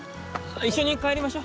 一緒に帰りましょ。